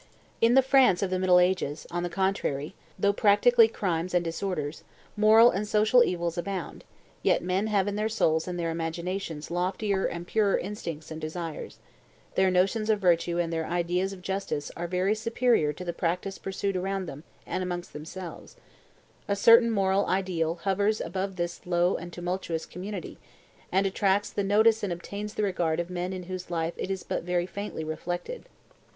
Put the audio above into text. In the France of the middle ages, on the contrary, though practically crimes and disorders, moral and social evils abound, yet men have in their souls and their imaginations loftier and purer instincts and desires; their notions of virtue and their ideas of justice are very superior to the practice pursued around them and amongst themselves; a certain moral ideal hovers above this low and tumultuous community, and attracts the notice and obtains the regard of men in whose life it is but very faintly reflected.